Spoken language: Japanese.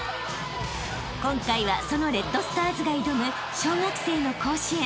［今回はそのレッドスターズが挑む小学生の甲子園］